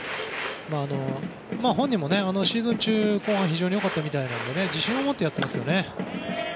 本人もシーズン中、後半は非常に良かったみたいなので自信を持ってやっていますよね。